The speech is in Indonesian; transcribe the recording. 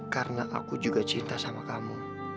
karena aku juga cinta sama kamu